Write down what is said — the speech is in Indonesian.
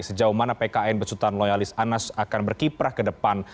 sejauh mana pkn besutan loyalis anas akan berkiprah ke depan